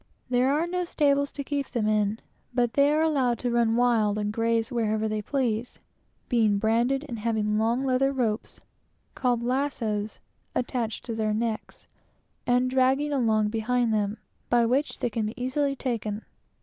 There are no stables to keep them in, but they are allowed to run wild and graze wherever they please, being branded, and having long leather ropes, called "lassos," attached to their necks and dragging along behind them, by which they can be easily taken.